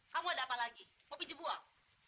kamu ada apa lagi mau pinjem buang